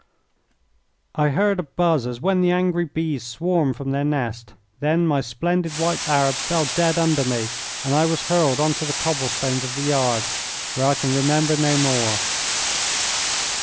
I heard a buzz as when the angry bees swarm from their nest. Then my splendid white Arab fell dead under me and I was hurled on to the cobble stones of the yard, where I can remember no more.